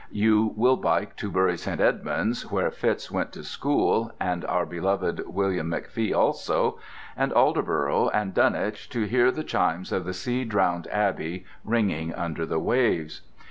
You will bike to Bury St. Edmunds (where Fitz went to school and our beloved William McFee also!) and Aldeburgh, and Dunwich, to hear the chimes of the sea drowned abbey ringing under the waves.